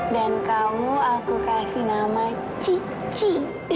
dan kamu aku kasih nama cici